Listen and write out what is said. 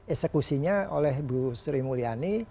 eksekusinya oleh bu sri mulyani